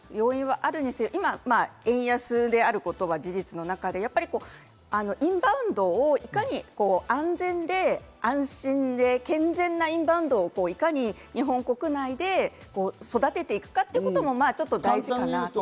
あと、円高とか円安のいろんな要因はあるにせよ、今、円安であることは事実の中で、インバウンドをいかに安全で安心で健全なインバウンドをいかに日本国内で育てていくかということも大事かなと。